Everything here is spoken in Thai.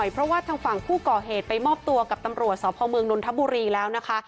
เพราะว่าทางฝั่งผู้ก่อเหตุไปมอบตัวกับตำรวจสพเมืองนนทบุรีแล้วนะคะ